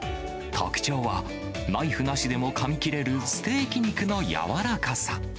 特長は、ナイフなしでもかみ切れるステーキ肉の柔らかさ。